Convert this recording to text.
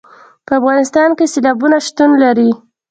په افغانستان کې سیلابونه شتون لري.